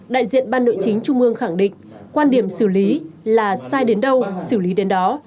đại diện ban nội chính trung ương khẳng định quan điểm xử lý là sai đến đâu xử lý đến đó